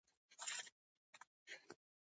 والي شاه محمود مياخيل وينا وکړه.